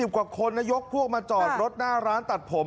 กว่าคนนะยกพวกมาจอดรถหน้าร้านตัดผม